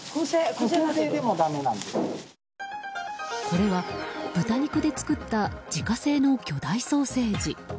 これは豚肉で作った自家製の巨大ソーセージ。